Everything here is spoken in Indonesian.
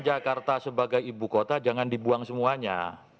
jakarta sebagai ibu kota jangan dibuang semuanya